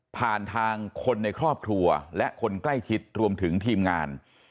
ผ่านทางคนในครอบครัวและคนใกล้ชิดรวมถึงทีมงาน